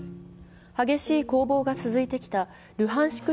激しい攻防が続いてきたルハンシク